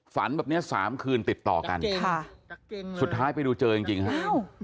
แบบเนี้ยสามคืนติดต่อกันค่ะสุดท้ายไปดูเจอจริงจริงครับ